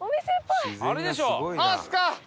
あれでしょ！